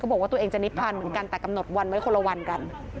บอกว่าตัวเองจะนิบพันธุ์เหมือนกันแต่กำหนดวันไว้คนละวันกัน